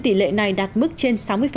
tỷ lệ này đạt mức trên sáu mươi